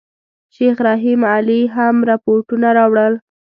شیخ رحیم علي هم رپوټونه راوړل.